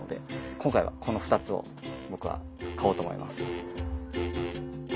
今回はこの２つを僕は買おうと思います。